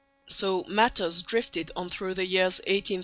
So matters drifted on through the years 1834 1837.